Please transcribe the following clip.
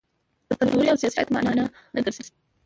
کلتوري او سیاسي شرایط مانع نه ګرځي.